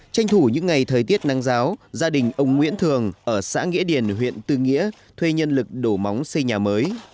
tranh thủ những ngày thời tiết nắng giáo gia đình ông nguyễn thường ở xã nghĩa điền huyện tư nghĩa thuê nhân lực đổ móng xây nhà mới